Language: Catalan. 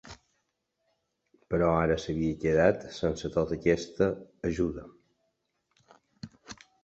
Però ara s'havia quedat sense tota aquesta ajuda.